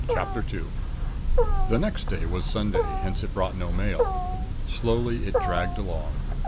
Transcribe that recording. CHAPTER II The next day was Sunday; hence it brought no Mail. Slowly it dragged along.